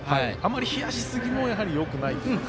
冷やしすぎもよくないと。